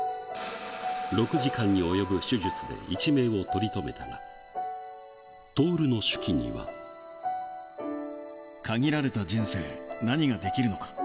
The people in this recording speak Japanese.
６時間に及ぶ手術で一命を取り留めたが、徹の手記には。限られた人生、何ができるのか。